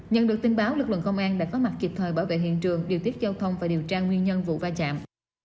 nhận được tin báo lực lượng công an đã có mặt kịp thời bảo vệ hiện trường điều tiết giao thông và điều tra nguyên nhân vụ va chạm